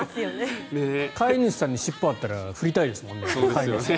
飼い主さんに尻尾あったら振りたいですもんね。